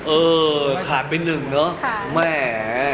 เออขาดไปหนึ่งเนอะแหม